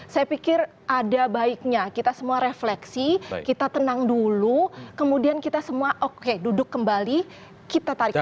saya pikir ada baiknya kita semua refleksi kita tenang dulu kemudian kita semua oke duduk kembali kita tarik lagi